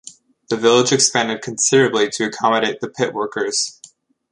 The village expanded considerably to accommodate the pit workers.